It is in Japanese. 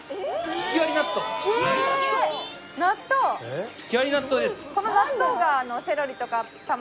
ひきわり納豆です。